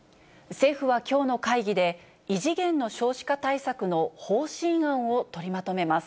政府はきょうの会議で、異次元の少子化対策の方針案を取りまとめます。